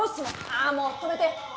ああもう止めて。